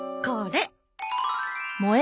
これ。